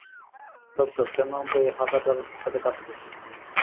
Doctor, কেন আমরা এই হাঁদাটার সাথে কাজ করছি?